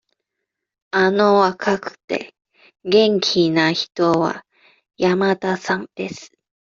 あの若くて、元気な人は山田さんです。